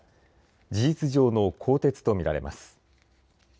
事実上の更迭と見られます。